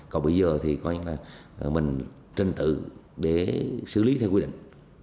còn bây giờ thì mình trinh tự để xử lý theo quy định